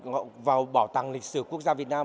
vào bảo tàng lịch sử quốc gia việt nam